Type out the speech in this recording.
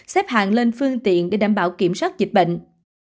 xếp hàng lên phương tiện để đảm bảo kiểm soát dịch bệnh